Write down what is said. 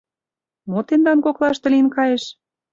Мо тендан коклаште лийын кайыш?